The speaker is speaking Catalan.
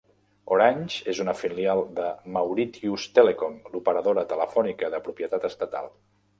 Orange és una filial de Mauritius Telecom, l'operadora telefònica de propietat estatal.